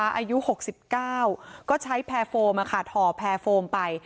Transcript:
อายุหกสิบเก้าก็ใช้แพร่โฟมอ่ะค่ะถอแพร่โฟมไป